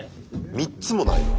３つもないの？